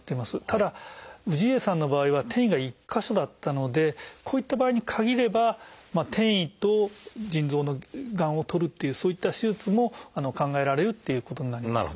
ただ氏家さんの場合は転移が１か所だったのでこういった場合に限れば転移と腎臓のがんをとるっていうそういった手術も考えられるっていうことになります。